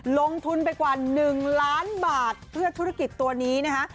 ลงทุนไปกว่า๑ล้านบาทเพื่อธุรกิจตัวนี้นะคะ